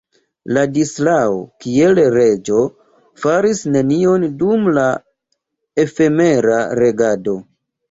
Ladislao, kiel reĝo, faris nenion dum la efemera regado.